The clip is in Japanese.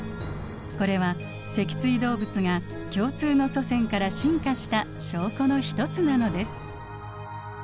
これは脊椎動物が共通の祖先から進化した証拠の一つなのです。